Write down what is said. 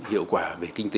hiệu quả về kinh tế